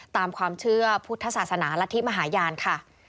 ตามความเชื่อพุทธศาสนารัฐธิมหาญาณค่ะ